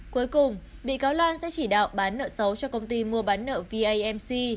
cuối cùng bị cáo loan sẽ chỉ đạo bán nợ xấu cho công ty mua bán nợ vamc